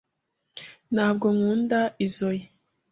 Ntabwo nkunda izoi.